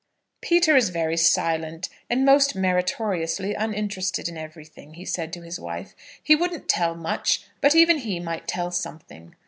"Peter is very silent, and most meritoriously uninterested in everything," he said to his wife. "He wouldn't tell much, but even he might tell something."